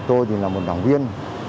ông tý là một đồng viên